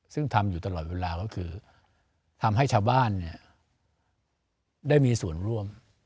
ซึ่งทำอยู่ตลอดเวลาก็คือทำให้ชาวบ้านได้มีส่วนร่วม